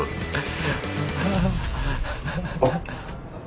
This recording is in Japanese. ハハハハハ。